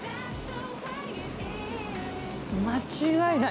間違いない！